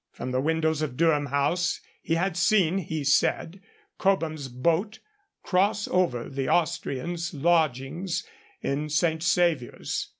From the windows of Durham House he had seen, he said, Cobham's boat cross over to the Austrian's lodgings in St. Saviour's.